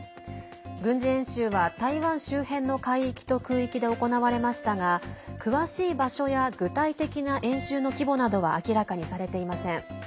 軍事演習は台湾周辺の海域と空域で行われましたが詳しい場所や具体的な演習の規模などは明らかにされていません。